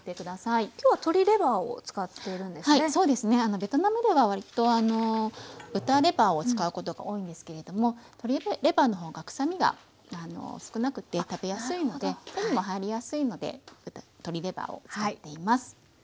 ベトナムではわりと豚レバーを使うことが多いんですけれども鶏レバーの方がくさみが少なくて食べやすいので手にも入りやすいので鶏レバーを使っています。